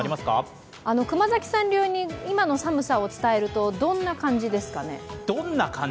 熊崎さん流に、今の寒さを伝えるとどんな感じですかね？